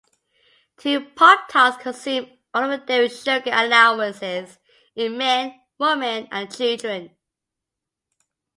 Two Pop-Tarts consume all of the daily sugar allowances in men, women, and children.